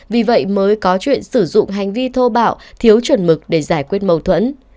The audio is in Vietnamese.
vì vậy mới có chuyện sử dụng hành vi thô bạo thiếu chuẩn mực để giải quyết mâu thuẫn